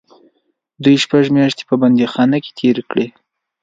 دوی شپږ میاشتې په بندیخانه کې تېرې کړې.